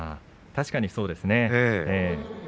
確かにそうですね。